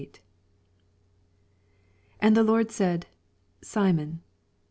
81 And the Lord said, SimoD.